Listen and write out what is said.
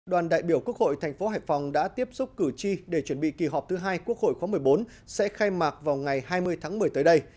đoàn đại biểu quốc hội thành phố hải phòng đã tiếp xúc cử tri để chuẩn bị kỳ họp thứ hai quốc hội khóa một mươi bốn sẽ khai mạc vào ngày hai mươi tháng một mươi tới đây